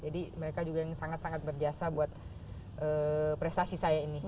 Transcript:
jadi mereka juga yang sangat sangat berjasa buat prestasi saya ini